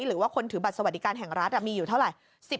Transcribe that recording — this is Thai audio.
หรือว่าคนถือบัตรสวัสดิการแห่งรัฐมีอยู่เท่าไหร่